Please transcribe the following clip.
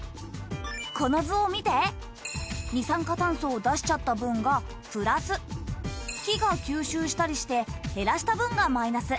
この図を見て二酸化炭素を出しちゃった分がプラス木が吸収したりして減らした分がマイナス